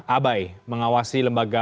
abai mengawasi lembaga